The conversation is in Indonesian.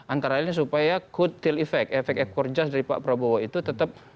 antara lainnya supaya could till effect efek effort just dari pak prabowo itu tetap